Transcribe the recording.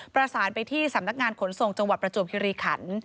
ประสานไปที่สำนักงานขนส่งจังหวัดประจวบคิริขัน